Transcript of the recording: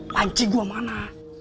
panci gua mana